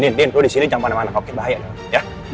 ndin lo disini jangan pada pada kau oke bahaya dong